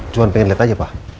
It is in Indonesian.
cuma pengen lihat aja pak